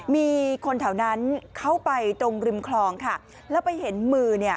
มีคนเท่านั้นเข้าไปตรงริมคลองแล้วไปเห็นมือ